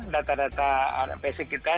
data data basic kita